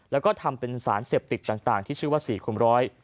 แล้วก็ทำเป็นสารเสพติดต่างที่ชื่อว่า๔คมร้อย